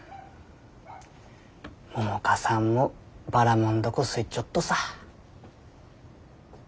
百花さんもばらもん凧好いちょっとさ。